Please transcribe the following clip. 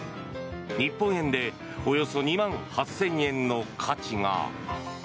日本円でおよそ２万８０００円の価値が。